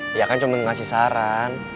dia kan cuma ngasih saran